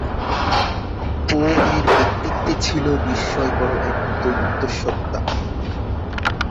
পো-এর ব্যক্তিত্বে ছিল বিস্ময়কর এক দ্বৈতসত্তা।